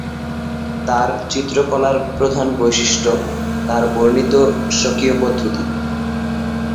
তার চিত্রকলার প্রধান বৈশিষ্ট্য তার বর্ণিত স্বকীয় পদ্ধতি।